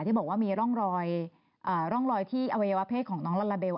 ที่บอกว่ามีร่องรอยที่อวัยวะเพศของน้องลาลาเบล